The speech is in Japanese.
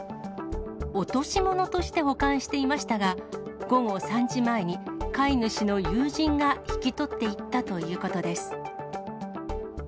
落とし物として保管していましたが、午後３時前に、飼い主の友人が引き取っていったということです。